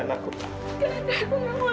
andre aku gak mau lepasin kamu